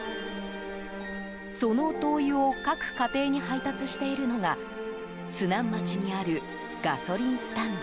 その灯油を各家庭に配達しているのが津南町にあるガソリンスタンド。